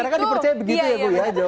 karena kan dipercaya begitu ya bu ya